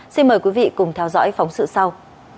xin mời quý vị cùng theo dõi phóng sự sau